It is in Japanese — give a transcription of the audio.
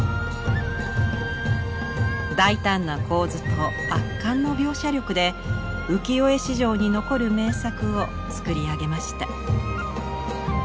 大胆な構図と圧巻の描写力で浮世絵史上に残る名作を作り上げました。